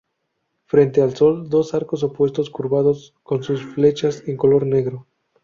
Frente al sol, dos arcos opuestos curvados, con sus flechas, en color negro.